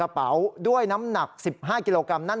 กระเป๋าด้วยน้ำหนัก๑๕กิโลกรัม